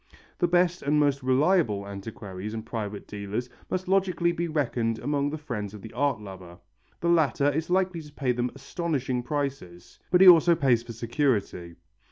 The best and most reliable antiquaries and private dealers must logically be reckoned among the friends of the art lover. The latter is likely to pay them astonishing prices, but he also pays for security.